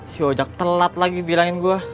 si ojak telat lagi bilangin gue